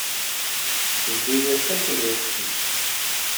Tewwi-as akk lweqt-is.